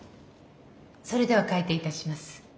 それでは開廷いたします。